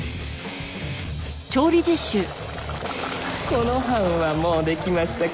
この班はもうできましたか？